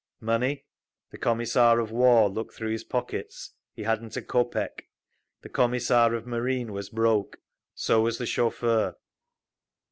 Money? The Commissar of War looked through his pockets—he hadn't a kopek. The Commissar of Marine was broke. So was the chauffeur.